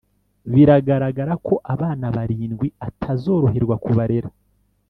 biragaragara ko abana barindwi atazoroherwa kubarera